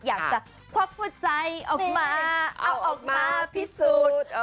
อยากจะควักหัวใจออกมาเอาออกมาพิสูจน์